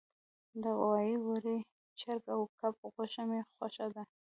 د غوایی، وری، چرګ او کب غوښه می خوښه ده